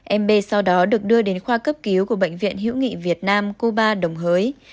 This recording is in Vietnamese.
em b sau đó được đưa đến khoa cấp cứu của bệnh viện hữu nghị việt nam cuba đồng hới